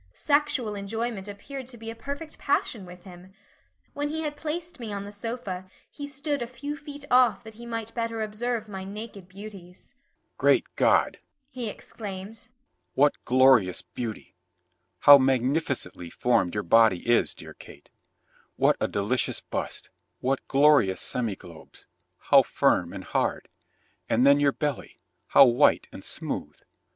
Sexual enjoyment appeared to be a perfect passion with him. When he had placed me on the sofa he stood a few feet off that he might better observe my naked beauties. "Great God," he exclaimed, "what glorious beauty! How magnificently formed your body is, dear Kate. What a delicious bust, what glorious semiglobes, how firm and hard, and then your belly, how white and smooth!